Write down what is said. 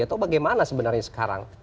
atau bagaimana sebenarnya sekarang